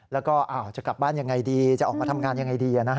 แล้วก็จะกลับบ้านยังไงดีจะออกมาทำงานยังไงดี